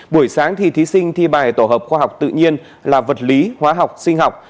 buổi sáng thì thí sinh thi bài tổ hợp khoa học tự nhiên là vật lý hóa học sinh học